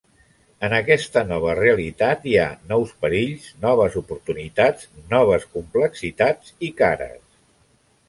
En aquesta nova realitat, hi ha nous perills, noves oportunitats, noves complexitats i cares.